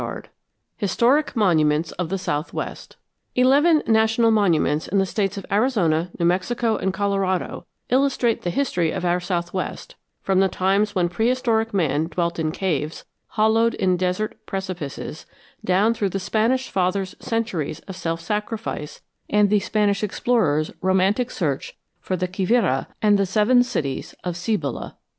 XVIII HISTORIC MONUMENTS OF THE SOUTHWEST Eleven national monuments in the States of Arizona, New Mexico, and Colorado illustrate the history of our southwest from the times when prehistoric man dwelt in caves hollowed in desert precipices down through the Spanish fathers' centuries of self sacrifice and the Spanish explorers' romantic search for the Quivira and the Seven Cities of Cibola.